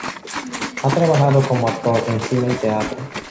Ha trabajado como actor en cine y teatro.